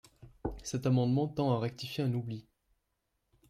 Cet amendement tend à rectifier un oubli.